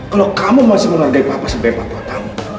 kalau kamu masih menghargai papa sebagai patuat kamu